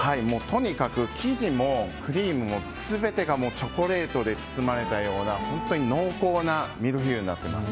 とにかく生地もクリームも全てがチョコレートで包まれたような本当に濃厚なミルフィーユになっています。